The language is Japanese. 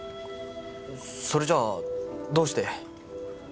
それじゃあどうして。